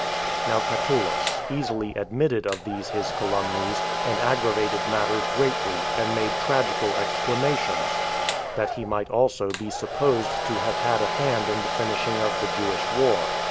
2. Now Catullus easily admitted of these his calumnies, and aggravated matters greatly, and made tragical exclamations, that he might also be supposed to have had a hand in the finishing of the Jewish war.